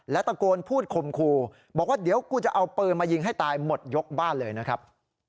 และตะโกนพูดคมครูบอกว่าเดี๋ยวกูจะเอาปืนมายิงให้ตายหมดยกบ้านเลยนะครับ